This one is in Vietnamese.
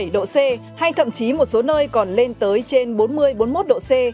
một mươi độ c hay thậm chí một số nơi còn lên tới trên bốn mươi bốn mươi một độ c